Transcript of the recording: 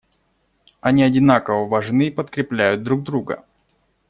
Они одинаково важны и подкрепляют друг друга.